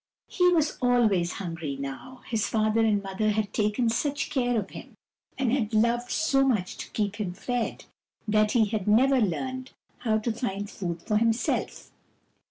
He was always hungry now. His father and mother had taken such care of him, and had loved so much to keep him fed, that he had never learned how to find food for himself.